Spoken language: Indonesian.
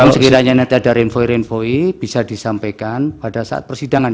sekiranya nanti ada info renvoy bisa disampaikan pada saat persidangan